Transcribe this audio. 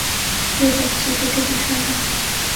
কে যাচ্ছে সেটা বিষয় না!